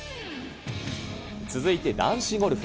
続いて男子ゴルフ。